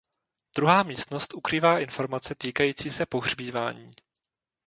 Druhá místnost ukrývá informace týkající se pohřbívání.